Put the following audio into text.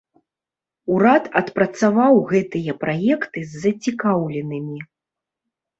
Урад адпрацаваў гэтыя праекты з зацікаўленымі.